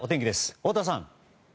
太田さん。